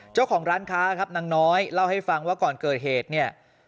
เจ้าของร้านค้าครับนางน้อยเล่าให้ฟังว่าก่อนเกิดเหตุเนี่ย